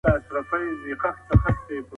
ایا ته د خپلي حافظې په پیاوړتیا باور لري؟